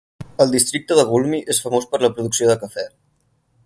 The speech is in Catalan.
El districte de Gulmi és famós per la producció de cafè.